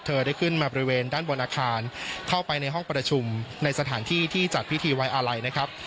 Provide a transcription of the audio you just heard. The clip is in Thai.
ได้ขึ้นมาบริเวณด้านบนอาคารเข้าไปในห้องประชุมในสถานที่ที่จัดพิธีไว้อาลัยนะครับ